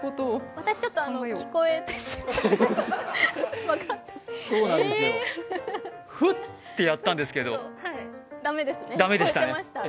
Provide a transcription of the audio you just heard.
私、聞こえてしまいましたそうなんですよ、ふってやったんですけど駄目でしたね。